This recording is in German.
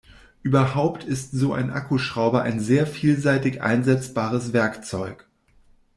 Überhaupt ist so ein Akkuschrauber ein sehr vielseitig einsetzbares Werkzeug.